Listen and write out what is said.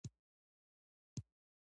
ژبه د تفکر اساس ده.